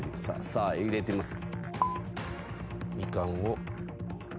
さあ入れています。